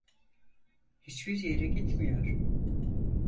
Hiçbir yere gitmiyor.